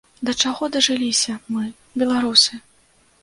Да чаго дажыліся мы, беларусы!